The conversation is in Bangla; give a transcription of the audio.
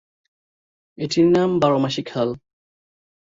এটির নাম বার-মাসি খাল।